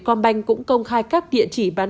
com banh cũng công khai các địa chỉ bán